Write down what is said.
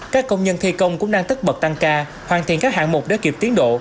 các công nhân thi công cũng đang tất bật tăng ca hoàn thiện các hạng mục để kịp tiến độ